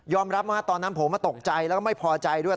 รับว่าตอนนั้นผมตกใจแล้วก็ไม่พอใจด้วย